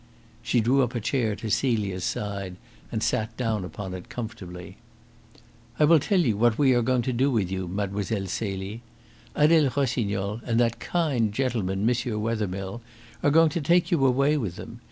She drew up a chair to Celia's side, and sat down upon it comfortably. "I will tell you what we are going to do with you, Mlle. Celie. Adele Rossignol and that kind gentleman, M. Wethermill, are going to take you away with them.